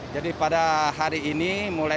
pada hari ini mulai